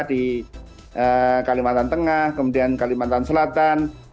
di kalimantan tengah kemudian kalimantan selatan